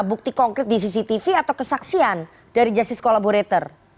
bukti konkret di cctv atau kesaksian dari justice collaborator